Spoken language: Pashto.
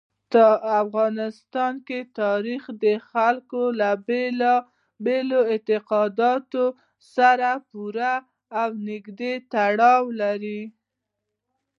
افغانستان کې تاریخ د خلکو له بېلابېلو اعتقاداتو سره پوره او نږدې تړاو لري.